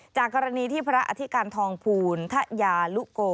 จากกรณีที่พระอธิการทองภูณธยาลุโก